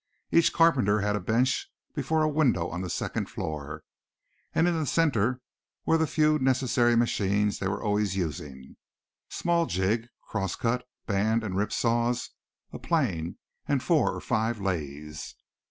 Each carpenter had a bench before a window on the second floor, and in the centre were the few necessary machines they were always using, small jig, cross cut, band and rip saws, a plane, and four or five lathes.